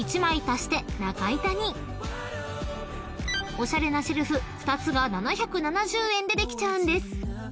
［おしゃれなシェルフ２つが７７０円でできちゃうんです］